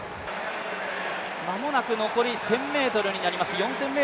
間もなく残り１０００ｍになります。